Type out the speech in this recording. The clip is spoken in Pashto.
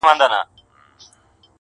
د انصاف په تله خپل او پردي واړه ،